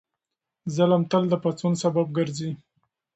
ظلم تل د پاڅون سبب ګرځي.